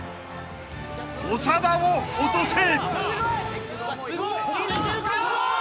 ［長田を落とせ！］